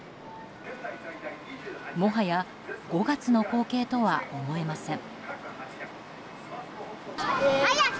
もはや５月の光景とは思えません。